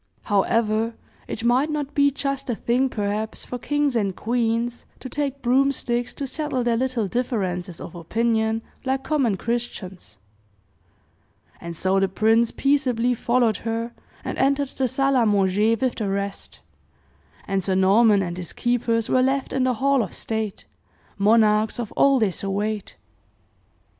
However, it might not be just the thing, perhaps, for kings and queens to take broom sticks to settle their little differences of opinion, like common Christians; and so the prince peaceably followed her, and entered the salle a manger with the rest, and Sir Norman and his keepers were left in the hall of state, monarchs of all they surveyed.